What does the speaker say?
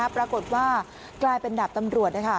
ปรากฏว่ากลายเป็นดาบตำรวจ